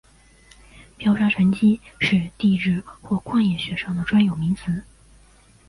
漂砂沉积是地质或矿业学上的专有名词。